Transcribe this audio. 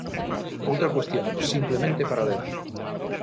Outra cuestión, simplemente para o debate.